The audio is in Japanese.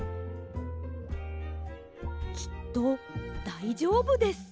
きっとだいじょうぶです。